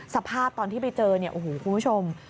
สภาพตอนที่ไปเจอคุณผู้ชม